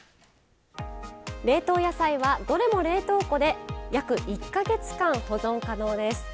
冷凍野菜はどれも冷凍庫で約１か月間保存可能です。